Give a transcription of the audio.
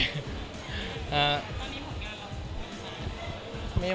ตอนนี้ผลการณ์เราก็ไม่ได้ไหม